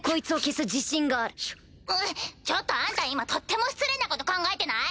ちょっとあんた今とっても失礼なこと考えてない？